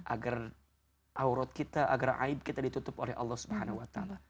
agar aurot kita agar aib kita ditutup oleh allah swt